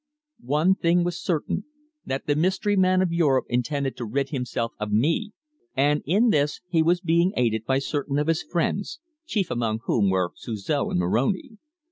One thing was certain, that the mystery man of Europe intended to rid himself of me, and in this he was being aided by certain of his friends, chief among whom were Suzor and Moroni.